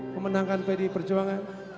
memenangkan pdi perjuangan